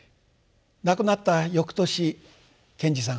亡くなった翌年賢治さん